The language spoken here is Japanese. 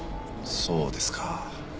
そうですか。